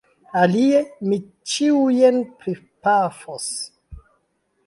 Alie mi ĉiujn pripafos!